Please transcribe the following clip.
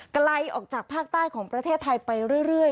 ไกลออกจากภาคใต้ของประเทศไทยไปเรื่อย